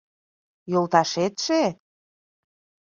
— Йолташетше?